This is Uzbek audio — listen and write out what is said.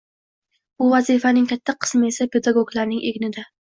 Bu vazifaning katta qismi esa – pedagoglarning egnida.